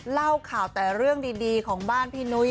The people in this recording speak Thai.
เล่าข่าวแต่เรื่องดีของบ้านพี่นุ้ย